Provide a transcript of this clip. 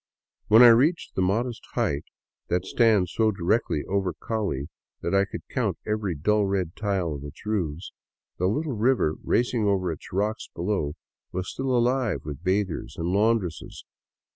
When I reached the modest height that stands so directly over Call that I could count every dull red tile of its roofs, the little river racing over its rocks below was still alive with bathers and laundresses.